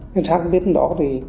nên sang bên đó